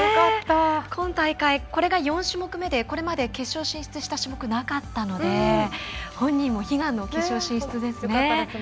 今大会これが４種目めでこれまで決勝進出した種目がなかったので本人も悲願の決勝進出ですね。